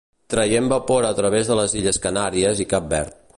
Traient vapor a través de les illes Canàries i Cap Verd.